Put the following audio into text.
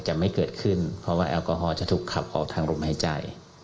จะไม่เกิดขึ้นเพราะว่าแอลกอฮอลจะถูกขับออกทางลมหายใจ